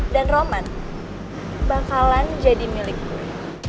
dan roman bakalan jadi milik gue